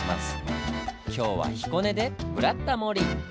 今日は彦根で「ブラタモリ」！